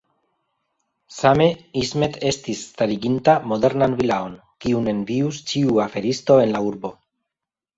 Same, Ismet estis stariginta modernan vilaon, kiun envius ĉiu aferisto en la urbo.